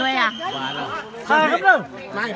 อ๋อเพื่อนหนูไม่กล้อง